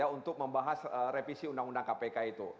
untuk membahas revisi undang undang kpk itu